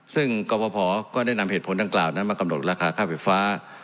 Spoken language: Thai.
ซึ่งกรพก็ได้นำเหตุผลดังกล่าวนั้นมากำหนดราคาค่าไฟฟ้า